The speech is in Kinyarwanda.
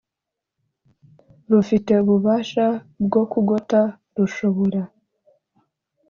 rufite ububasha bwo kugota rushobora